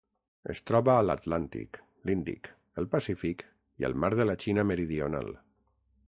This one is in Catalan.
Es troba a l'Atlàntic, l'Índic, el Pacífic i el Mar de la Xina Meridional.